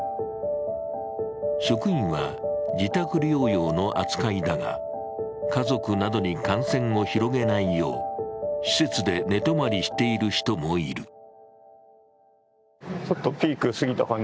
職員は自宅療養の扱いだが、家族などに感染を広げないよう施設で寝泊まりしている人もいる。